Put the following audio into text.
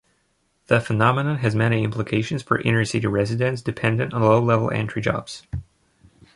The phenomenon has many implications for inner-city residents dependent on low-level entry jobs.